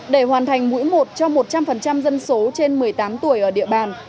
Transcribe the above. để hoàn thành mũi một cho một trăm linh dân số trên một mươi tám tuổi ở địa bàn